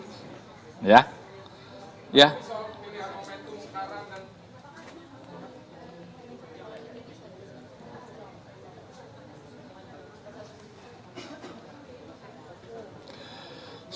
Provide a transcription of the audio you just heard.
soal pilihan momentum sekarang kan